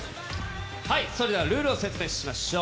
それではルールを説明しましょう。